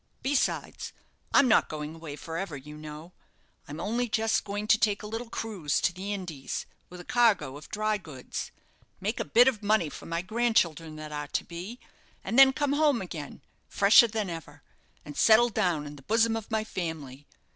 Besides, I'm not going away for ever, you know. I'm only just going to take a little cruise to the Indies, with a cargo of dry goods, make a bit of money for my grandchildren that are to be, and then come home again, fresher than ever, and settle down in the bosom of my family.